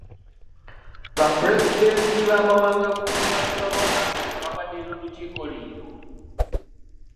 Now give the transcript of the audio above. Bapulezidenti b'amawanga g'obuvanjuba bwa Africa babadde n'olukiiko leero.